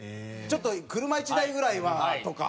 ちょっと車１台ぐらいはとか。